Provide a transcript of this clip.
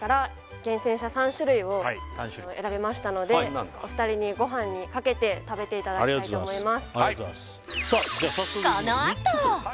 選びましたのでお二人にご飯にかけて食べていただきたいと思います